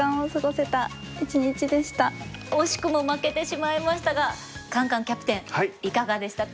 惜しくも負けてしまいましたがカンカンキャプテンいかがでしたか？